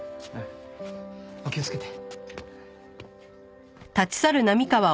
お気をつけて。